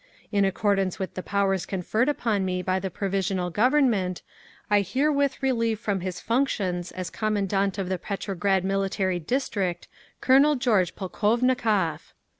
"In accordance with the powers conferred upon me by the Provisional Government, I herewith relieve from his functions as Commandant of the Petrograd Military District Colonel George Polkovnikov…."